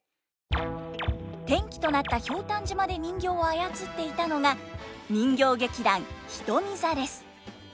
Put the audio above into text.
転機となった「ひょうたん島」で人形を操っていたのが人形劇団ひとみ座です。